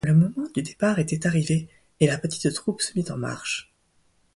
Le moment du départ était arrivé, et la petite troupe se mit en marche